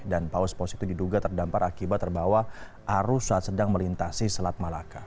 dan paus paus itu diduga terdampar akibat terbawa arus saat sedang melintasi selat malaka